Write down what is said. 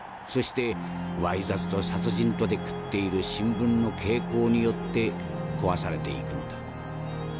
そして猥雑と殺人とで食っている新聞の傾向によって壊されていくのだ。